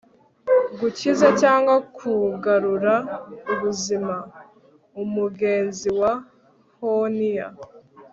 gukiza, cyangwa kugarura-ubuzima. umugezi wa honia